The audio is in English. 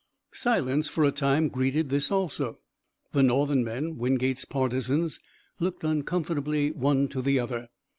Silence for a time greeted this also. The Northern men, Wingate's partisans, looked uncomfortably one to the other.